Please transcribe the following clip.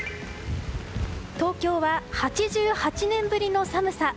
東京は８８年ぶりの寒さ。